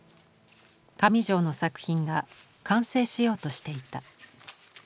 上條の作品が完成しようとしていた。